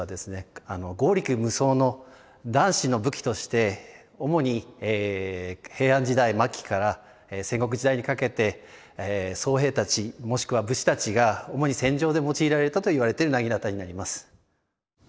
あの強力無双の男子の武器として主に平安時代末期から戦国時代にかけて僧兵たちもしくは武士たちが主に戦場で用いられたといわれている薙刀になります。